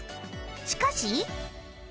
しかし